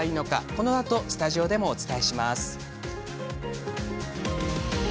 このあとスタジオでお伝えします。